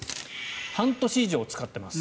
半年以上使ってます。